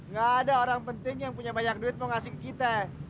gak ada orang penting yang punya banyak duit mau ngasih ke kita